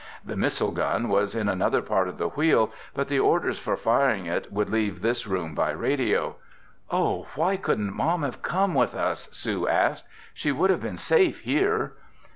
The missile gun was in another part of the Wheel, but the orders for firing it would leave this room by radio. "Oh, why couldn't Mom have come with us?" Sue asked. "She would have been safe here!"